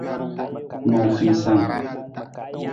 Nuufiisang.